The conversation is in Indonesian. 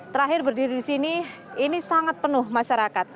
terakhir berdiri disini ini sangat penuh masyarakat